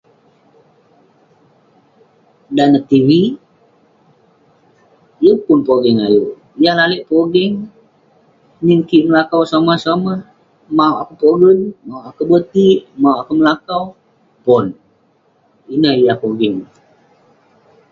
Dan neh tv,yeng pun pogeng ayuk..yah lalek pogeng, nin kik melakau somah somah, mauk akouk pogen, mauk akouk botik, mauk akouk melakau..pon..ineh yah pogeng..